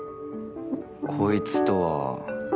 こいつとは